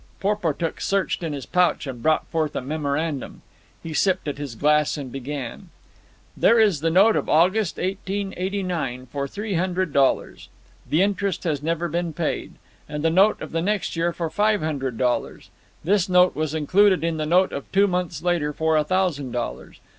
Porportuk searched in his pouch and brought forth a memorandum. He sipped at his glass and began. "There is the note of August, 1889, for three hundred dollars. The interest has never been paid. And the note of the next year for five hundred dollars. This note was included in the note of two months later for a thousand dollars.